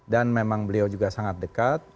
dan memang beliau juga sangat dekat